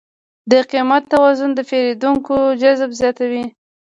د قیمت توازن د پیرودونکو جذب زیاتوي.